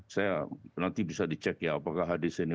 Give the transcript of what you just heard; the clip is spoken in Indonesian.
saya nanti bisa dicek ya apakah hadis ini